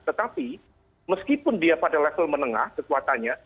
tetapi meskipun dia pada level menengah kekuatannya